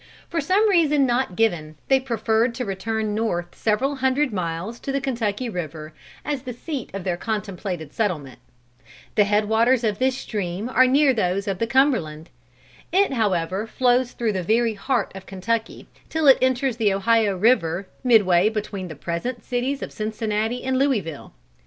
For some reason not given, they preferred to return north several hundred miles to the Kentucky river, as the seat of their contemplated settlement. The head waters of this stream are near those of the Cumberland. It however flows through the very heart of Kentucky, till it enters the Ohio river, midway between the present cities of Cincinnati and Louisville.